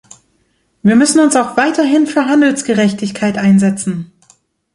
Wir müssen uns auch weiterhin für Handelsgerechtigkeit einsetzen.